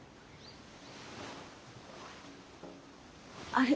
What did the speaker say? あれ！